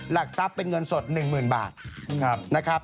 หลักทรัพย์เป็นเงินสด๑๐๐๐บาทนะครับ